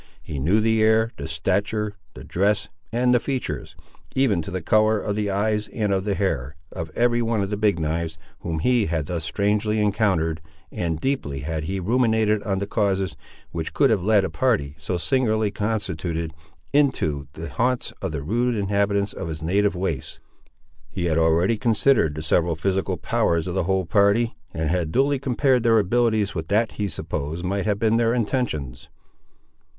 He knew the air, the stature, the dress, and the features, even to the colour of the eyes and of the hair, of every one of the Big knives, whom he had thus strangely encountered, and deeply had he ruminated on the causes, which could have led a party, so singularly constituted, into the haunts of the rude inhabitants of his native wastes. He had already considered the several physical powers of the whole party, and had duly compared their abilities with what he supposed might have been their intentions.